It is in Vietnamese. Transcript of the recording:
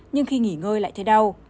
nhưng khi nghỉ ngơi lại thấy đau